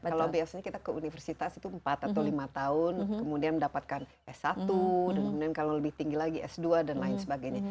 kalau biasanya kita ke universitas itu empat atau lima tahun kemudian mendapatkan s satu dan kemudian kalau lebih tinggi lagi s dua dan lain sebagainya